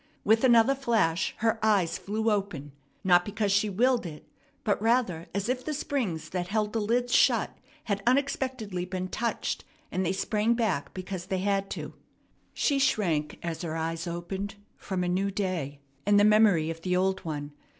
With another flash her eyes flew open. Not because she willed it, but rather as if the springs that held the lids shut had unexpectedly been touched and they sprang back because they had to. She shrank, as her eyes opened, from a new day, and the memory of the old one.